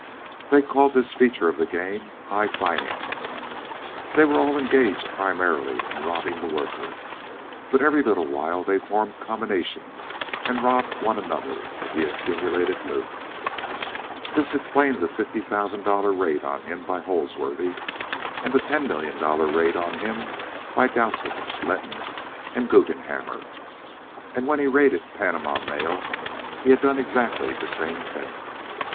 They called this feature of the game HIGH FINANCE. They were all engaged primarily in robbing the worker, but every little while they formed combinations and robbed one another of the accumulated loot. This explained the fifty thousand dollar raid on him by Holdsworthy and the ten million dollar raid on him by Dowsett, Letton, and Guggenhammer. And when he raided Panama Mail he had done exactly the same thing.